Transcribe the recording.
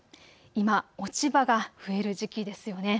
今、落ち葉が増える時期ですよね。